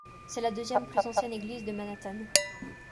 C'est la deuxième plus ancienne église de Manhattan.